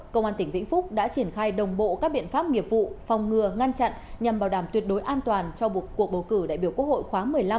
công an tỉnh vĩnh phúc đã triển khai đồng bộ các biện pháp nghiệp vụ phòng ngừa ngăn chặn nhằm bảo đảm tuyệt đối an toàn cho cuộc bầu cử đại biểu quốc hội khóa một mươi năm